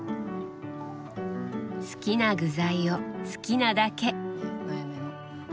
好きな具材を好きなだけ。